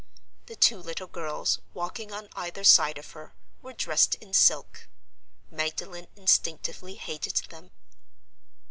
The two little girls, walking on either side of her, were dressed in silk. Magdalen instinctively hated them.